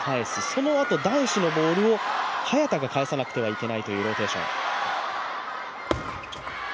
そのあと男子のボールを早田が返さなきゃいけないというローテーション。